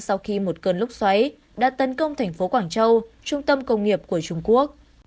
sau khi một cơn lốc xoáy đã tấn công thành phố quảng châu trung tâm công nghiệp của trung quốc